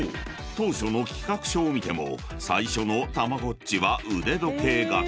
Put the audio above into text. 当初の企画書を見ても最初のたまごっちは腕時計型］